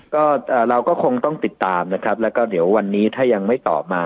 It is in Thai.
ก็เราก็คงต้องติดตามนะครับแล้วก็เดี๋ยววันนี้ถ้ายังไม่ตอบมา